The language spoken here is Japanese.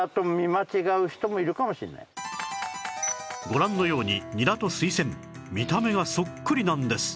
ご覧のようにニラとスイセン見た目がそっくりなんです